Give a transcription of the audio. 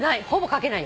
かけない？